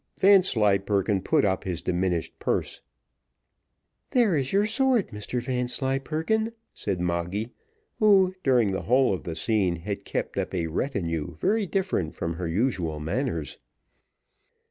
Vanslyperken put up his diminished purse. "There is your sword, Mr Vanslyperken," said Moggy; who, during the whole of the scene, had kept up a retenue very different from her usual manners.